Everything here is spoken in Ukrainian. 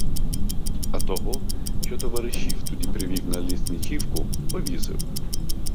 А того, що "товаріщів" тоді привів на лісничівку, повісив.